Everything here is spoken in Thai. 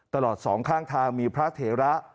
ตลอดสองข้างทางมีพระเถระ